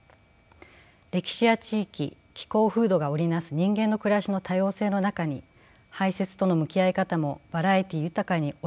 歴史や地域気候風土が織り成す人間の暮らしの多様性の中に排泄との向き合い方もバラエティー豊かに織り込まれているからです。